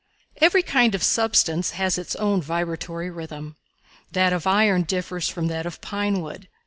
Every kind of substance has its own vibratory rhythm. That of iron differs from that of pine wood.